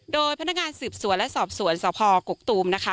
โดยพนักงานสืบสวนและสอบสวนสพกกตูมนะคะ